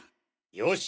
よし！